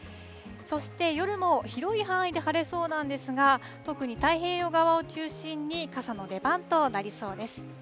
そして夜も広い範囲で晴れそうなんですが、特に太平洋側を中心に傘の出番となりそうです。